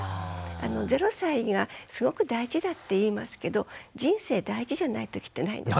０歳がすごく大事だっていいますけど人生大事じゃないときってないんですね。